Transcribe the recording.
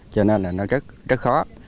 cho nên là nó rất khó